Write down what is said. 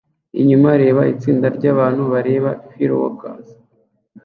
Inyuma-reba itsinda ryabantu bareba fireworks